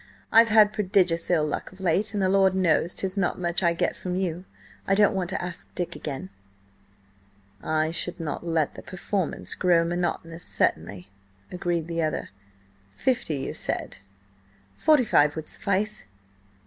I've had prodigious ill luck of late, and the Lord knows 'tis not much I get from you! I don't want to ask Dick again." "I should not let the performance grow monotonous, certainly," agreed the other. "Fifty, you said?" "Forty five would suffice."